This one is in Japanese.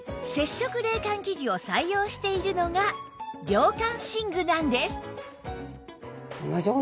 生地を採用しているのが涼感寝具なんです